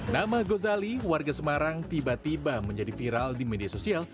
nama gozali warga semarang tiba tiba menjadi viral di media sosial